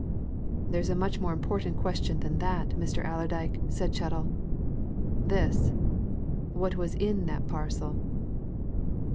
"There's a much more important question than that, Mr. Allerdyke," said Chettle. "This what was in that parcel?"